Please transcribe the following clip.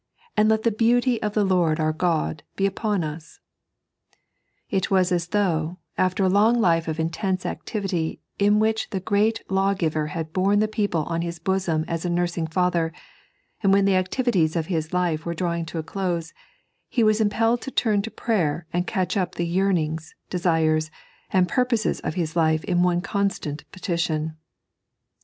And let the beauty of the Ix)rd our God b© upon ua," It was as though, after a long life of intense activity in which the Great Lawgiver had borne the people on his bosom as a nursing father, and when the activities of his life were drawing to a dose, be was impelled to turn to prayer and catch up the yearnings, desires, and purpose of bis life in one constant petition.